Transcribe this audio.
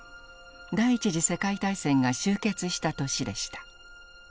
第１次世界大戦が終結した年でした。